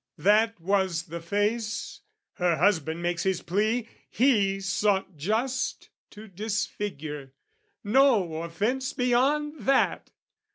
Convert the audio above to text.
That was the face, her husband makes his plea, He sought just to disfigure, no offence Beyond that!